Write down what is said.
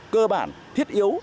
cơ bản thiết yếu